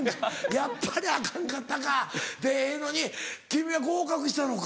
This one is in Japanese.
「やっぱりアカンかったか」でええのに君は合格したのか。